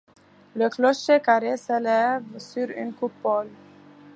Le clocher carré s'élève sur une coupole.